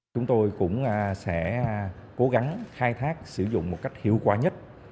chúng tôi cũng sẽ cố gắng khai thác sử dụng một cách hiệu quả nhất